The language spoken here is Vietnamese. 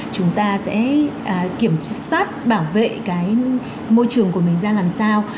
chúng ta sẽ kiểm soát bảo vệ cái môi trường của mình ra làm sao